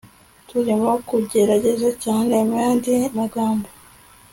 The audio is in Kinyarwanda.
turimo kugerageza cyane, muyandi magambo